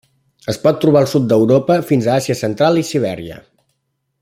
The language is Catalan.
Es pot trobar al sud d'Europa fins a Àsia central i Sibèria.